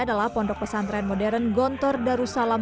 adalah pondok pesantren modern gontor darussalam